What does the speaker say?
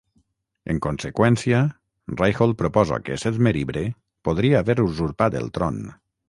En conseqüència, Ryholt proposa que Seth Meribre podria haver usurpat el tron.